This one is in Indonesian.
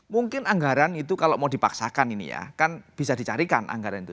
mungkin anggaran itu kalau mau dipaksakan ini ya kan bisa dicarikan anggaran itu